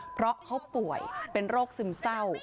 เพราะเขาป่วยเป็นโรคซึมเศร้า